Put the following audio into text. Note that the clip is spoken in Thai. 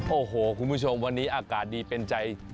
โอ้โหคุณผู้ชมวันนี้อากาศดีเป็นใจ